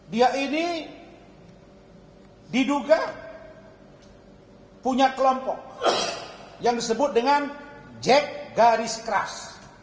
dia ini diduga punya kelompok yang disebut dengan jack garis keras